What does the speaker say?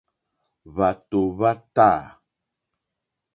Hwàtò hwá tâ.